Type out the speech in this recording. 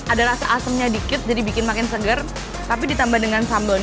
ada rasa asamnya dikit jadi bikin makin segar